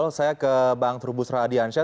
yang tersebut diberikan oleh bank terubus radiansyah